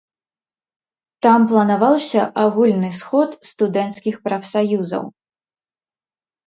Там планаваўся агульны сход студэнцкіх прафсаюзаў.